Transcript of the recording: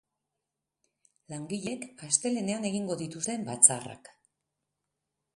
Langileek astelehenean egingo dituzte batzarrak.